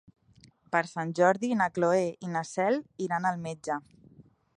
Per Sant Jordi na Cloè i na Cel iran al metge.